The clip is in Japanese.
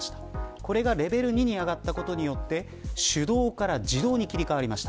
これがレベル２になったことで手動から自動に切り替わりました。